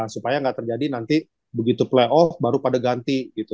supaya gak terjadi nanti begitu play off baru pada ganti gitu